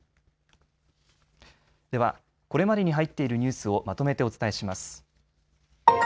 ではこれまでに入っているニュースをまとめてお伝えします。